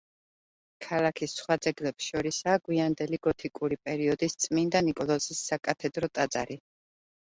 ქალაქის სხვა ძეგლებს შორისაა გვიანდელი გოთიკური პერიოდის წმინდა ნიკოლოზის საკათედრო ტაძარი.